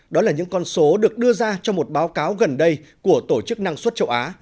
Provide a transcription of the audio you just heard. đó là những con số được đưa ra trong một báo cáo gần đây của tổ chức năng suất châu á